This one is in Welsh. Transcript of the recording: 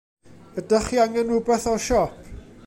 Ydach chi angen r'wbath o'r siop?